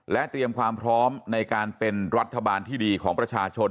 เตรียมความพร้อมในการเป็นรัฐบาลที่ดีของประชาชน